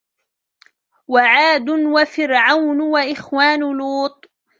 وعاد وفرعون وإخوان لوط